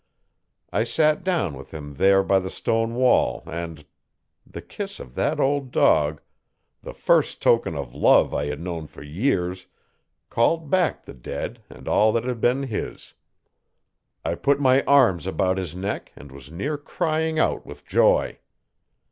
I sat down with him there by the stone wall and the kiss of that old dog the first token of love I had known for years' called back the dead and all that had been his. I put my arms about his neck and was near crying out with joy.